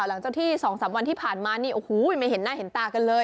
หลังจากที่๒๓วันที่ผ่านมานี่โอ้โหไม่เห็นหน้าเห็นตากันเลย